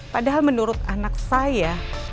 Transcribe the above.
padahal menurut anak saya